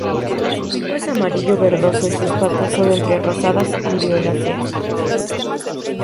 Su pico es amarillo verdoso y sus patas son entre rosadas y violáceas.